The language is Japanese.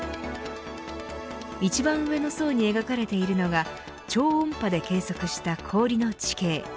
一番上の層に描かれているのが超音波で計測した氷の地形。